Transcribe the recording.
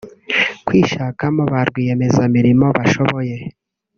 kwishakamo ba rwiyemeza mirimo bashoboye